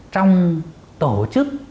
trong tổ chức